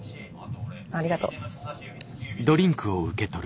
ありがとう。